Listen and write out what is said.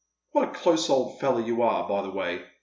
" What a close old fellow you are, by the way